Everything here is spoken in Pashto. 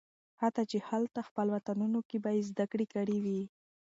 حتی چې هالته خپل وطنونو کې به یې زده کړې وي